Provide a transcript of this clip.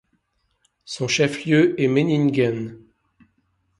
Son chef-lieu est Meiningen.